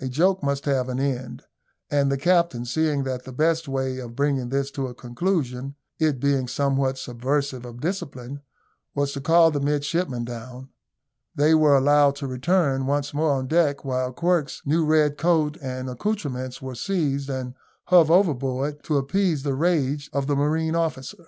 A joke must have an end; and the captain, seeing that the best way of bringing this to a conclusion (it being somewhat subversive of discipline) was to call the midshipmen down, they were allowed to return once more on deck, while Quirk's new red coat and accoutrements were seized and hove overboard, to appease the rage of the marine officer.